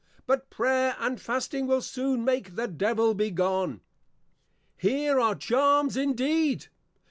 _ But, Prayer and Fasting will soon make the Devil be gone. Here are Charms indeed!